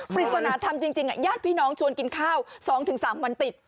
ปริศนาธรรมจริงญาติพี่น้องชวนกินข้าว๒๓วันติด